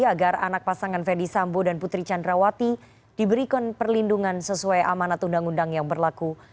agar anak pasangan ferdi sambo dan putri candrawati diberikan perlindungan sesuai amanat undang undang yang berlaku